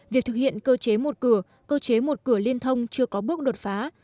việc thực hiện cơ chế một cửa cơ chế một cửa liên thông chưa có bước đột phá